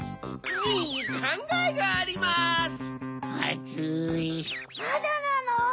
まだなの？